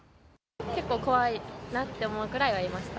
結構怖いなって思うくらいはいました。